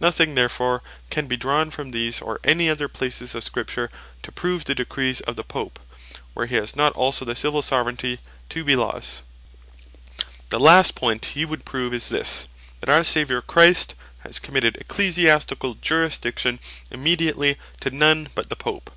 Nothing therefore can be drawn from these, or any other places of Scripture, to prove the Decrees of the Pope, where he has not also the Civill Soveraignty, to be Laws. The Question Of Superiority Between The Pope And Other Bishops The last point hee would prove, is this, "That our Saviour Christ has committed Ecclesiasticall Jurisdiction immediately to none but the Pope."